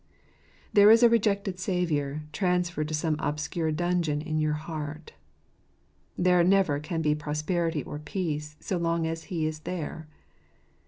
There is a rejected Saviour transferred to some obscure dungeon in your heart. There never can be prosperity or peace so long as He is there.